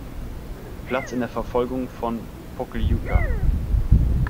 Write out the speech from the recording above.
Platz in der Verfolgung von Pokljuka.